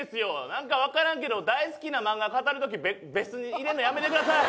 なんかわからんけど大好きな漫画語る時別室に入れるのやめてください！